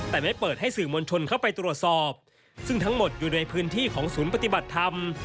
แต่ได้เปิดให้สื่อมวลชนเข้าไปตรวจสอบซึ่งทั้งหมดอยู่ในพื้นที่ของศูนย์ปฏิบัติธรรม